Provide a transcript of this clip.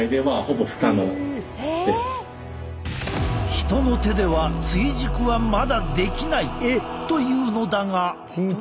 人の手では追熟はまだできないというのだが。